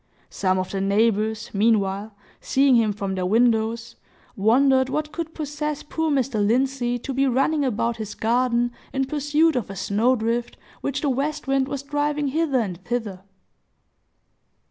Some of the neighbors, meanwhile, seeing him from their windows, wondered what could possess poor Mr. Lindsey to be running about his garden in pursuit of a snow drift, which the west wind was driving hither and thither!